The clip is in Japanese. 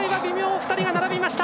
２人が並びました。